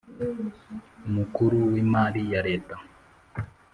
Mukuru w imari ya leta